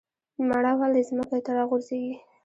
مڼه ولې ځمکې ته راغورځیږي؟